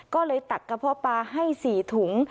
ก็เลยตัดกับพ่อป่าให้๔ถุง